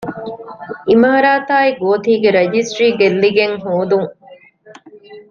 އިމާރާތާއި ގޯތީގެ ރަޖިސްޓްރީ ގެއްލިގެން ހޯދުން